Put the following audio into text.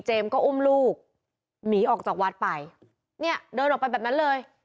ก็อุ้มลูกหนีออกจากวัดไปเนี่ยเดินออกไปแบบนั้นเลย